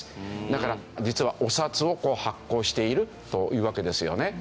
だから実はお札を発行しているというわけですよね。